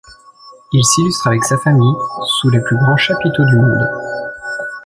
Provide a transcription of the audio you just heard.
Il s'illustre avec sa famille sous les plus grands chapiteaux du monde.